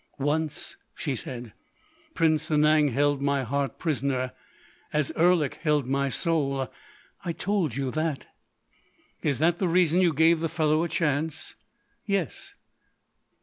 "Once," she said, "Prince Sanang held my heart prisoner—as Erlik held my soul.... I told you that." "Is that the reason you gave the fellow a chance?" "Yes."